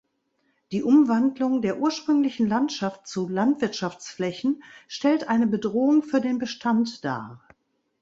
Die Umwandlung der ursprünglichen Landschaft zu Landwirtschaftsflächen stellt eine Bedrohung für den Bestand dar.